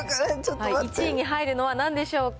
１位に入るのはなんでしょうか。